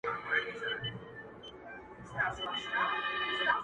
زړه راته زخم کړه، زارۍ کومه.